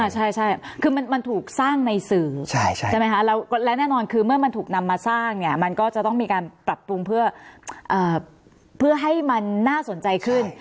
ใช่คือมันถูกสร้างในสื่อใช่ไหมคะและแน่นอนคือเมื่อมันถูกนำมาสร้างเนี่ยมันก็จะต้องมีการปรับปรุงเพื่อให้มันน่าสนใจขึ้น